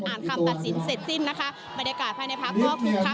ผ่านจนตอนนี้ก็เกือบจะ๒ชั่วโมงแล้วนะคะ